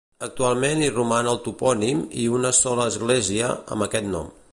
Actualment hi roman el topònim, i una sola església, amb aquest nom.